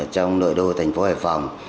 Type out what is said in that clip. trong nội đô thành phố hải phòng